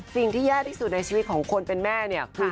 สิ่งที่แย่ที่สุดในชีวิตของคนเป็นแม่เนี่ยคือ